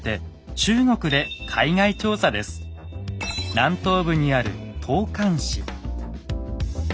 南東部にある東莞市。